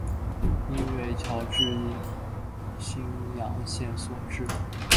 应为侨置新阳县所置。